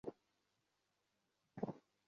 তোমার সাথে কে কথা বলছে?